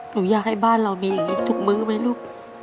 หนูอยากให้บ้านเรามีอย่างนี้ทุกมื้อไหมลูก